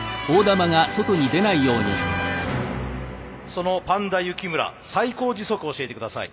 そのぱんだ幸村最高時速教えてください。